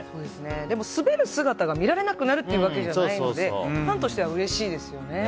でも、滑る姿が見られなくなるというわけじゃないのでファンとしてはうれしいですよね。